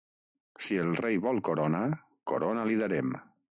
Si el rei vol corona, corona li darem!